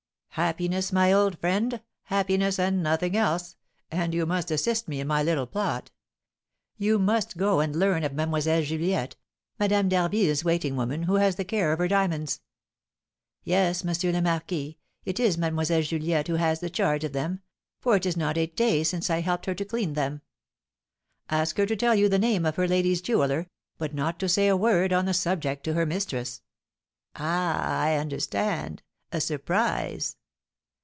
"Happiness, my old friend, happiness, and nothing else; and you must assist me in my little plot. You must go and learn of Mlle. Juliette, Madame d'Harville's waiting woman, who has the care of her diamonds." "Yes, M. le Marquis, it is Mlle. Juliette who has the charge of them, for it is not eight days since I helped her to clean them." "Ask her to tell you the name of her lady's jeweller, but not to say a word on the subject to her mistress." "Ah, I understand, a surprise."